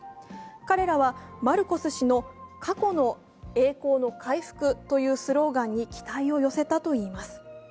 彼らはマルコス氏の過去の栄光の回復というスローガンに期待を寄せたといいます。